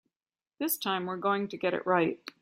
This time we're going to get it right.